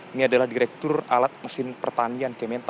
ini adalah direktur alat mesin pertanian kementa